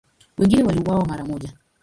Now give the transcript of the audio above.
Wengine waliuawa mara moja.